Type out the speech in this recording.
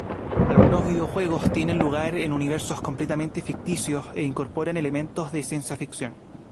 Algunos videojuegos tienen lugar en universos completamente ficticios e incorporan elementos de ciencia ficción.